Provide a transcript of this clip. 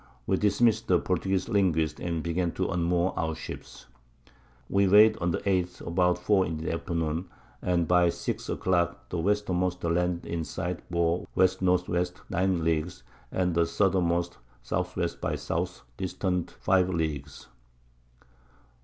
We dismiss'd the Portugueze Linguist, and began to unmoor our Ships. We weigh'd on the 8th, about 4 in the Afternoon, and by six a Clock the Westermost Land in sight bore W. N. W. 9 Leagues, and the Southermost S.W. by S. distant 5 Leagues.